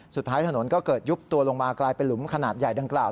สุดท้ายถนนก็เกิดยุบตัวลงมากลายเป็นหลุมขนาดใหญ่ดังกล่าว